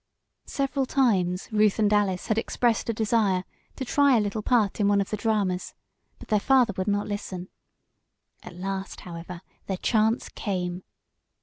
Several times Ruth and Alice had expressed a desire to try a little part in one of the dramas, but their father would not listen. At last, however, their chance came.